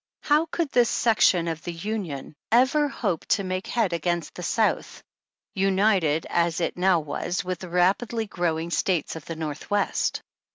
'* How could this section of the Union ever 37 38 hope to make head against the South, united, as it now was, with the rapidly growing States of the Northwest?